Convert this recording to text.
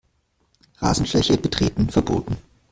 Rasenfläche betreten verboten.